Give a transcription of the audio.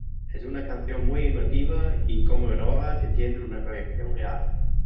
Es una canción muy emotiva y conmovedora que tienen una conexión real"".